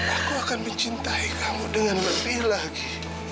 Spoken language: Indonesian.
aku akan mencintai kamu dengan lebih lagi